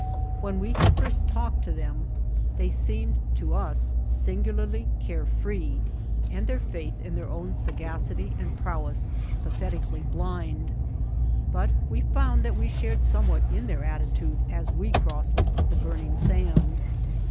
When we had first talked to them they seemed to us sin gularly care free and their faith in their own sagacity and prowess pathetically blind, but we found that we shared somewhat in their attitude as we crossed the burning sands.